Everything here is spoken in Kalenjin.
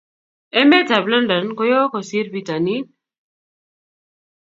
Emet ab London ko yoo kosir pitanin